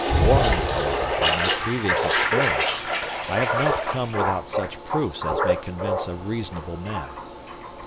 Warned, however, by my previous experience, I have not come without such proofs as may convince a reasonable man.